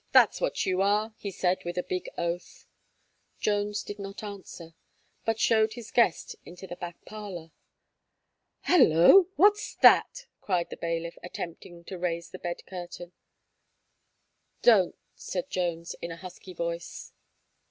that's what you are," he said, with a big oath. Jones did not answer, but showed his guest into the back parlour. "Halloo! what's that?" cried the bailiff, attempting to raise the bed curtain. "Don't," said Jones, in a husky voice.